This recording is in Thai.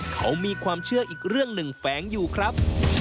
เขามีความเชื่ออีกเรื่องหนึ่งแฝงอยู่ครับ